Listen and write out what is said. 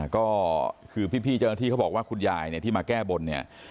ก็คือพี่เจ้าหน้าที่เขาบอกว่าคุณยายเนี่ยที่มาแก้บนเนี่ย